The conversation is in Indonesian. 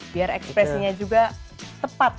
biar ekspresinya juga tepat